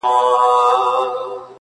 ځاله د زمرو سوه په نصیب د سورلنډیو!